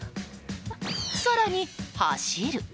更に走る！